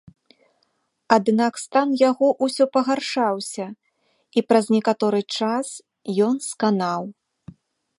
Аднак стан яго ўсё пагаршаўся і праз некаторы час ён сканаў.